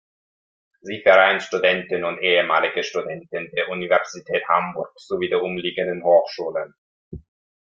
Sie vereint Studenten und ehemalige Studenten der Universität Hamburg sowie der umliegenden Hochschulen.